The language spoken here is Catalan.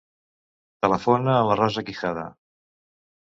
Telefona a la Rosa Quijada.